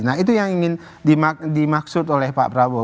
nah itu yang ingin dimaksud oleh pak prabowo